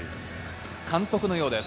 監督のようです。